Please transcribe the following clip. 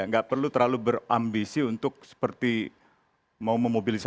nggak perlu terlalu berambisi untuk seperti mau memobilisasi